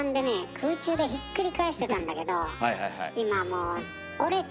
空中でひっくり返してたんだけど今もう折れちゃうね。